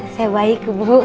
saya baik bu